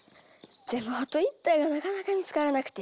でもあと１体がなかなか見つからなくて。